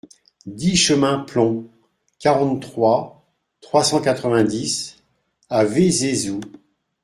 dix chemin Plom, quarante-trois, trois cent quatre-vingt-dix à Vézézoux